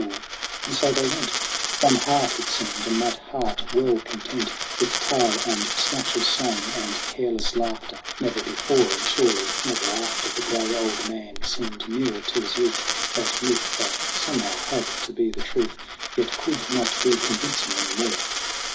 And so they went, One heart, it seemed, and that heart well content With tale and snatch of song and careless laughter. GRAYBEARD AND GOLDHAIR 7 Never before, and surely never after, The gray old man seemed nearer to his youth That myth that somehow had to be the truth, Yet could not be convincing any more.